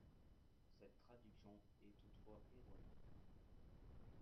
Cette traduction est toutefois erronée.